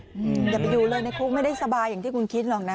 อย่าไปอยู่เลยในคุกไม่ได้สบายอย่างที่คุณคิดหรอกนะ